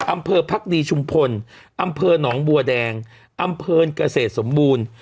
พักดีชุมพลอำเภอหนองบัวแดงอำเภอเกษตรสมบูรณ์